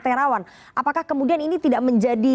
terawan apakah kemudian ini tidak menjadi